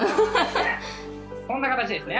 こんな形ですね」。